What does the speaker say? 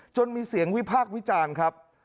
มีเสียงวิพากษ์วิจารณ์ครับ